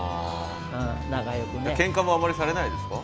けんかもあんまりされないですか？